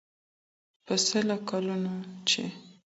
پسله كلونو چي